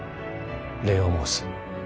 礼を申す。